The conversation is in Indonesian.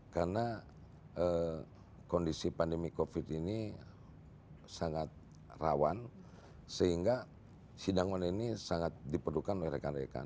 karena kondisi pandemi covid ini sangat rawan sehingga sidang online ini sangat diperlukan oleh rekan rekan